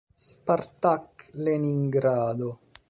Spartak Leningrado